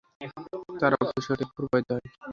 তারা ফুঁসে ওঠে, প্রবাহিত হয়।